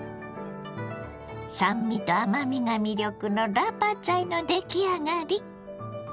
酸味と甘みが魅力のラーパーツァイの出来上がり。